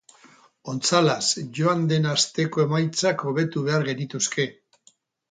Ontsalaz, joan den asteko emaitzak hobetu behar genituzke.